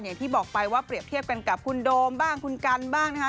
อย่างที่บอกไปว่าเปรียบเทียบกันกับคุณโดมบ้างคุณกันบ้างนะคะ